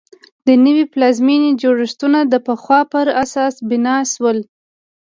د نوې پلازمېنې جوړښتونه د پخوا پر اساس بنا شول.